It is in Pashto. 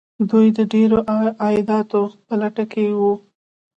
دوی د ډیرو عایداتو په لټه کې وو.